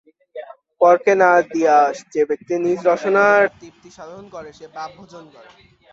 পরকে না দিয়া যে ব্যক্তি নিজ রসনার তৃপ্তিসাধন করে, সে পাপ ভোজন করে।